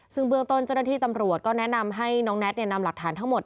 ซึ่งเบื้องต้นเจ้าหน้าที่ตำรวจก็แนะนำให้น้องแน็ตนำหลักฐานทั้งหมด